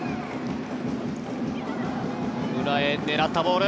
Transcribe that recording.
裏へ狙ったボール。